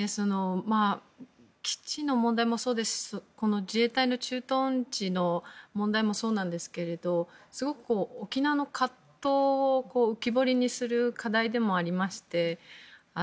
基地の問題もそうですし自衛隊の駐屯地の問題もそうなんですけれどすごく沖縄の葛藤を浮き彫りにする課題でもありまして。